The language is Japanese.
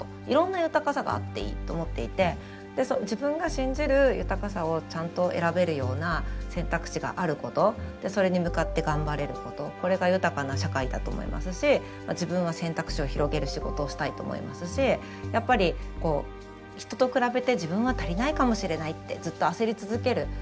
いろんな豊かさがあっていいと思っていてで自分が信じる豊かさをちゃんと選べるような選択肢があることそれに向かって頑張れることこれが豊かな社会だと思いますし自分は選択肢を広げる仕事をしたいと思いますしやっぱりこう人と比べて自分は足りないかもしれないってずっと焦り続ける。